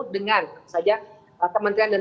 dengan kementerian dan